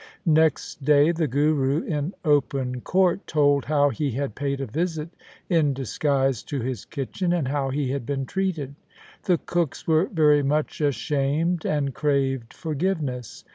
Next day the Guru in open court told how he had paid a visit in disguise to his kitchen, and how he had been treated. The cooks were very much ashamed and craved forgiveness.